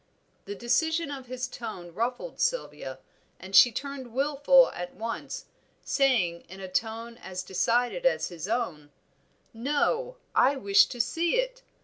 The decision of his tone ruffled Sylvia, and she turned wilful at once, saying in a tone as decided as his own "No; I wish to see it.